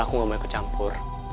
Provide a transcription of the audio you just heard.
aku gak mau ikut campur